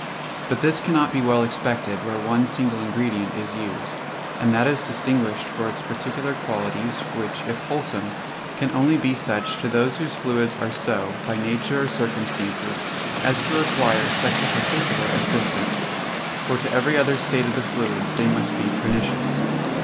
But this cannot be well expected where one single ingredient is used, and that is distinguished for its particular qualities, which, if wholesome, can only be such to those whose fluids are so, by nature or circumstances, as to require such a particular assistant; for to every other state of the fluids they must be pernicious.